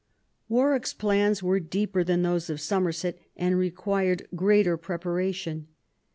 Warwick's plans were deeper than those of Somerset, and required greater preparation.